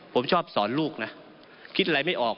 ผมชอบสอนลูกนะคิดอะไรไม่ออก